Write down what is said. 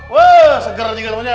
wah segera juga temennya